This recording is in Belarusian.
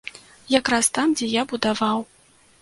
Якраз там, дзе я будаваў.